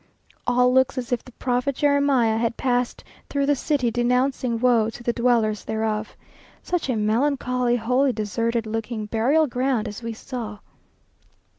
All looks as if the prophet Jeremiah had passed through the city denouncing woe to the dwellers thereof. Such a melancholy, wholly deserted looking burial ground as we saw!